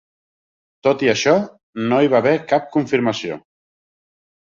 Tot i això, no hi va haver cap confirmació.